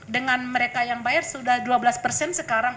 dengan mereka yang bayar sudah dua belas persen sekarang